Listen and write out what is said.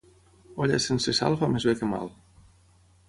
Olla sense sal fa més bé que mal.